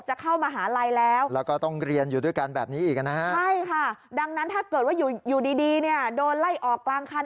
ใช่ค่ะดังนั้นถ้าเกิดว่าอยู่ดีโดนไล่ออกกลางคัน